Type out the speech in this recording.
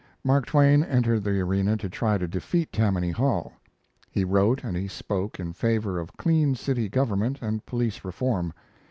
Mark Twain entered the arena to try to defeat Tammany Hall. He wrote and he spoke in favor of clean city government and police reform.